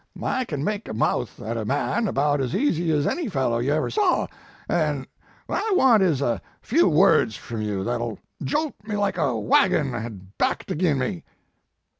I can make a mouth at a man about as easy as any fellow you ever saw, an w at I want is a few words from you that ll jolt me like a wagin had backed agin me."